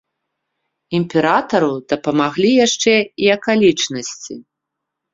Імператару дапамаглі яшчэ і акалічнасці.